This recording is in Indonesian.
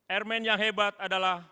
airman yang hebat adalah